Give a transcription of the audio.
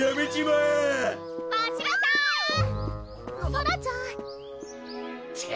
ソラちゃん！